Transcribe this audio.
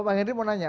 pak henry mau nanya